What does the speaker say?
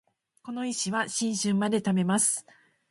この石は新春まで貯めます